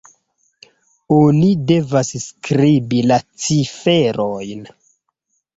Oni devas skribi la ciferojn